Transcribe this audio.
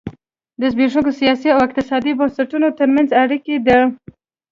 د زبېښونکو سیاسي او اقتصادي بنسټونو ترمنځ اړیکه ده.